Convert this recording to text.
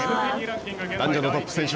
男女のトップ選手